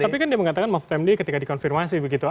tapi kan dia mengatakan mahfud md ketika dikonfirmasi begitu